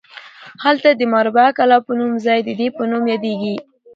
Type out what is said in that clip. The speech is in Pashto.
هلته د مربعة کلاب په نوم ځای د ده په نوم یادیږي.